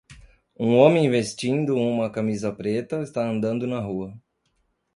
Um homem vestindo uma camisa preta está andando na rua.